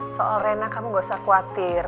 soal rena kamu gak usah khawatir